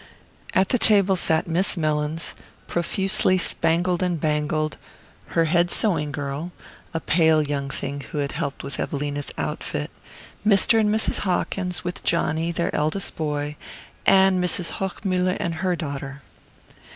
At the table sat Miss Mellins, profusely spangled and bangled, her head sewing girl, a pale young thing who had helped with Evelina's outfit, Mr. and Mrs. Hawkins, with Johnny, their eldest boy, and Mrs. Hochmuller and her daughter.